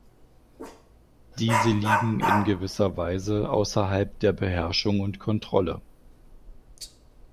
Diese liegen in gewisser Weise außerhalb der Beherrschung und Kontrolle.